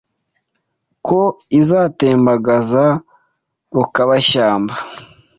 Ko izatembagaza Rukabashyamba